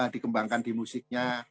dikembangkan di musiknya